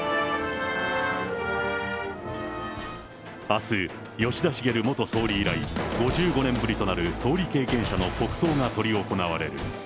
あす、吉田茂元総理以来、５５年ぶりとなる総理経験者の国葬が執り行われる。